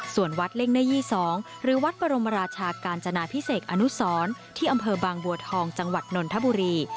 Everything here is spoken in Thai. ส่วนวัดเล่งเนอร์๒หรือวัดบรมราชากาญจนาพิเศษอนุสรที่อำเภอบางบัวทองจังหวัดนนทบุรี